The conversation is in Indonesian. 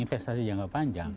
investasi jangka panjang